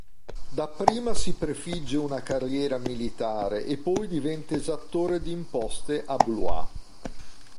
Dapprima si prefigge una carriera militare e poi diventa esattore di imposte a Blois.